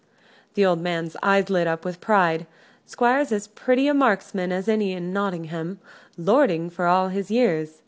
The old man's eye lit up with pride. "Squire's as pretty a marksman as any in Nottingham, lording, for all his years!"